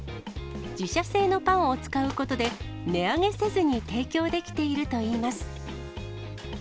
自社製のパンを使うことで、値上げせずに提供できているといいます。